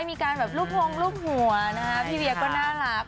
มีการลูบหวงกับลูบหัวนะพี่เวียก็น่ารัก